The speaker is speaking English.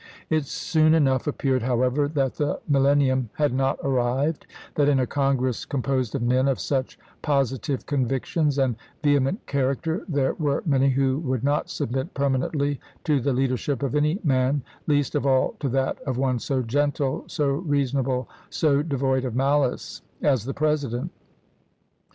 It soon enough appeared, however, that the mil lenium had not arrived ; that in a Congress com posed of men of such positive convictions and vehement character there were many who would not submit permanently to the leadership of any man, least of all to that of one so gentle, so reason able, so devoid of malice as the President.